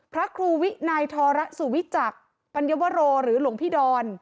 พระครูวินายธรสุวิจักษ์ปัญญาโบโรหรือลงพี่ดร